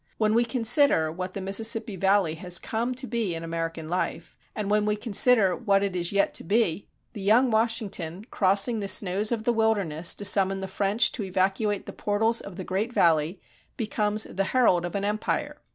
When we consider what the Mississippi Valley has come to be in American life, and when we consider what it is yet to be, the young Washington, crossing the snows of the wilderness to summon the French to evacuate the portals of the great valley, becomes the herald of an empire.